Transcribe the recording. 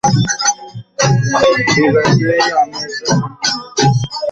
ঠিক আছে, আমি এটা সামলে নিব।